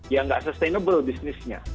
ya enggak sustainable bisnisnya